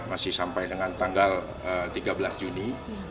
masih sampai dengan tanggal tiga belas juni